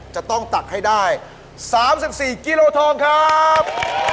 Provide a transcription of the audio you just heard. จะต้องตักให้ได้๓๔กิโลทองครับ